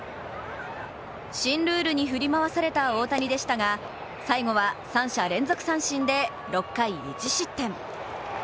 新ルールに振り回された大谷でしたが最後は３者連続三振で６回１失点。